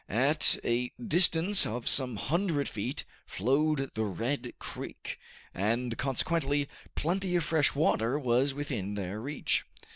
At a distance of some hundred feet flowed the Red Creek, and consequently plenty of fresh water was within their reach.